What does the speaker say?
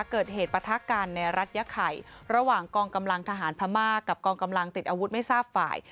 เกิดเหตุปะทะกันในรัฐยะไข่ระหว่างกองกำลังทหารพม่ากับกองกำลังติดอาวุธไม่ทราบฝ่าย